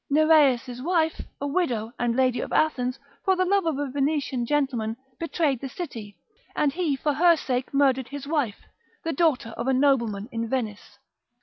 Nereus' wife, a widow, and lady of Athens, for the love of a Venetian gentleman, betrayed the city; and he for her sake murdered his wife, the daughter of a nobleman in Venice.